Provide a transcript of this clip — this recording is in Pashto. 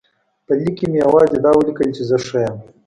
په لیک کې مې یوازې دا ولیکل چې زه ښه یم.